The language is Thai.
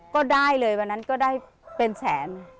ก็ได้เลยวันนั้นก็ได้เป็นแสน